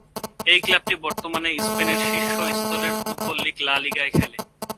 এই ক্লাবটি বর্তমানে স্পেনের শীর্ষ স্তরের ফুটবল লীগ লা লিগায় খেলে।